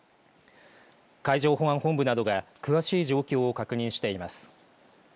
海上保安本部などが詳しい状況を確認しています。